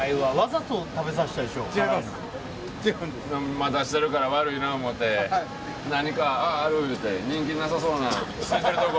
待たせてるから悪いな思って何かあるっていうて人気なさそうな空いてるところ。